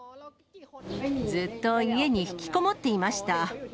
ずっと家に引きこもっていました。